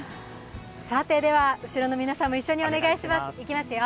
では、後ろの皆さんも一緒にお願いします。